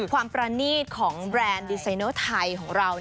ความปรณีตของแบรนด์ดีไซนอลไทยของเรา